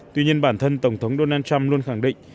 tuy nhiên bản thân tổng thống donald trump luôn khẳng định